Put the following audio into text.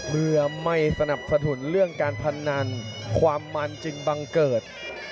เมื่อไม่สนับสนุนเรื่องการพนันความมันจึงบังเกิด